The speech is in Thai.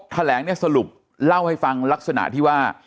แถลงเนี่ยสรุปเล่าให้ฟังลักษณะที่ว่า